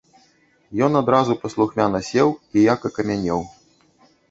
Ён адразу паслухмяна сеў і як акамянеў.